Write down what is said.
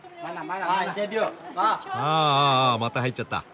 あああまた入っちゃった。